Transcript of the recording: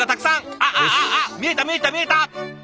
あっあっあっ見えた見えた見えた！